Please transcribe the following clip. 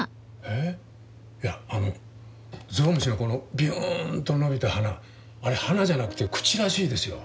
いやあのゾウムシのこのビューンと伸びた鼻あれ鼻じゃなくて口らしいですよ。